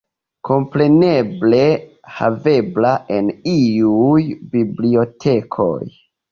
Kompreneble havebla en iuj bibliotekoj.